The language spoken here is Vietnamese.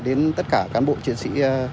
đến tất cả cán bộ chiến sĩ